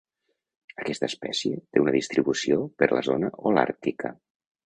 Aquesta espècie té una distribució per la zona holàrtica.